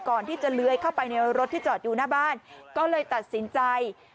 ก่อนที่จะเลื้อยเข้าไปในรถที่จอดอยู่หน้าบ้านก็เลยตัดสินใจ